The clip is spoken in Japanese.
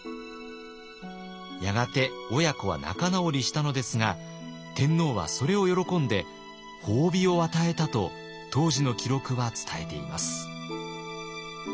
やがて親子は仲直りしたのですが天皇はそれを喜んで褒美を与えたと当時の記録は伝えています。